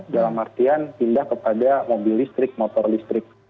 dalam artian pindah kepada mobil listrik motor listrik